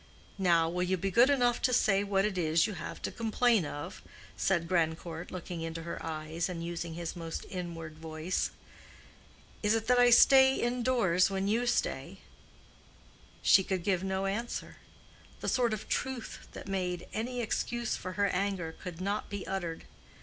"Now, will you be good enough to say what it is you have to complain of?" said Grandcourt, looking into her eyes, and using his most inward voice. "Is it that I stay indoors when you stay?" She could give no answer. The sort of truth that made any excuse for her anger could not be uttered.